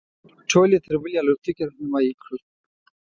ټول یې تر بلې الوتکې رهنمایي کړو.